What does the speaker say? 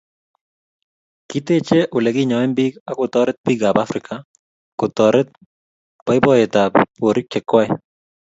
Kiteech oleginyoen biik agotoret biikab Africa kotoret boiboyetab boriik chekwai